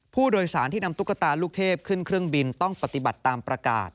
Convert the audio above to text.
ผู้โดยสารที่นำตุ๊กตาลูกเทพขึ้นเครื่องบินต้องปฏิบัติตามประกาศ